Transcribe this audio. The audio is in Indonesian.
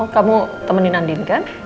kamu temenin andin kan